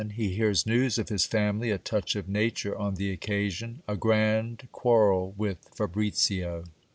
He hears neius of his family : a touch of nature on the occasion. A grand quarrel with Fabricio.